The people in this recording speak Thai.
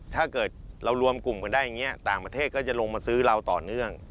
ถ้าเกิดเรารวมกลุ่มกันได้อย่างนี้ต่างประเทศก็จะลงมาซื้อเราต่อเนื่อง